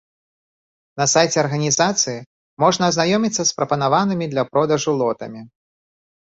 На сайце арганізацыі можна азнаёміцца з прапанаванымі для продажу лотамі.